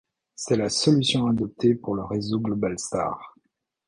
C'est la solution adoptée pour le réseau Globalstar.